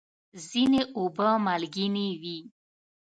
ځینې اوبه مالګینې وي.